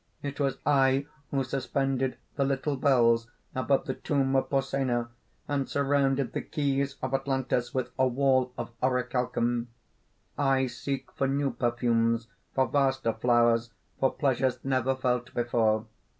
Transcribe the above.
It was I who suspended the little bells above the tomb of Porsenna, and surrounded the quays of Atlantis with a wall of orichalcum. "I seek for new perfumes, for vaster flowers, for pleasures never felt before.